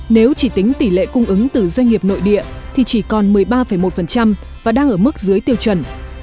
nếu chỉ tính tỷ lệ cung ứng từ doanh nghiệp nội địa thì chỉ còn một mươi ba một và đang ở mức dưới tiêu chuẩn